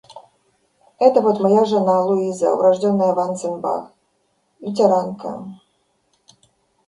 Это вот моя жена, Луиза, урождённая Ванценбах... лютеранка...